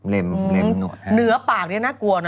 เหนือปากนี้น่ากลัวนะ